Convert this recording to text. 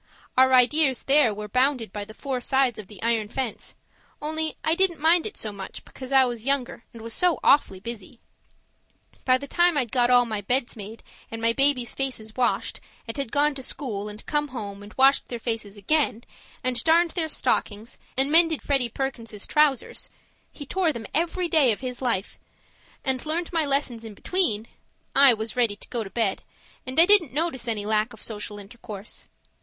Our ideas there were bounded by the four sides of the iron fence, only I didn't mind it so much because I was younger, and was so awfully busy. By the time I'd got all my beds made and my babies' faces washed and had gone to school and come home and had washed their faces again and darned their stockings and mended Freddie Perkins's trousers (he tore them every day of his life) and learned my lessons in between I was ready to go to bed, and I didn't notice any lack of social intercourse.